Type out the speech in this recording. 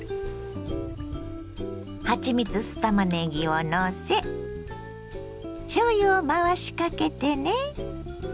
はちみつ酢たまねぎをのせしょうゆを回しかけてね。